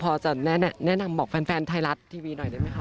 พอจะแนะนำบอกแฟนไทยรัฐทีวีหน่อยได้ไหมคะ